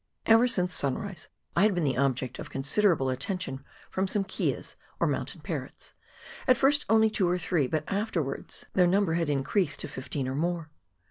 Ever since sunrise, I had been the object of considerable attention from some keas, or mountain parrots, at first only two or three, but afterwards their number had increased to COOK RIVER — FOX GLACIER. 109 fifteen or more.